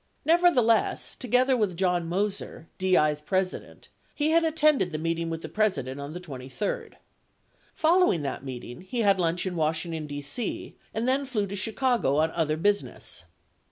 Never theless, together with John Moser (DI's president), he had attended the meeting with the President on the 23d. Following that meeting, he had lunch in Washington, D.C., and then flew to Chicago on other business.